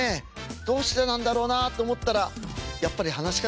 どうしてなんだろうなと思ったらやっぱり噺家ですね